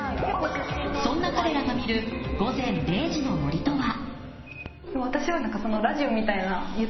そんな彼らが見る「午前０時の森」とは。